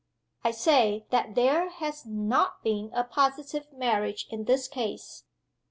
I say that there has not been a positive marriage in this case.